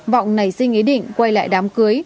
vọng nảy sinh ý định quay lại đám cưới